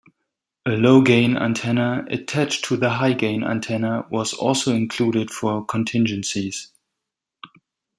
A low-gain antenna attached to the high-gain antenna, was also included for contingencies.